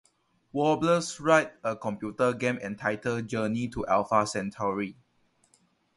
Wobbler writes a computer game entitled "Journey to Alpha Centauri".